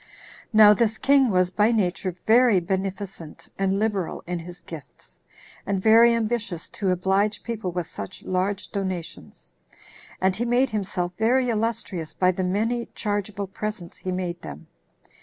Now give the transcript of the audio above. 3. Now this king was by nature very beneficent and liberal in his gifts, and very ambitious to oblige people with such large donations; and he made himself very illustrious by the many chargeable presents he made them.